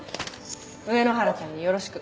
上野原ちゃんによろしく。